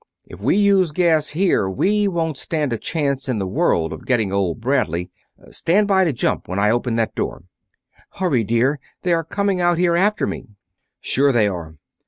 If we use gas here we won't stand a chance in the world of getting old Bradley. Stand by to jump when I open that door!" "Hurry, dear! They are coming out here after me!" "Sure they are."